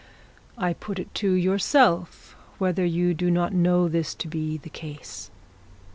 I put it to yourself whether you do not know this to be the case.'